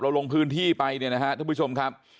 ลงพื้นที่ไปเนี่ยนะฮะท่านผู้ชมครับ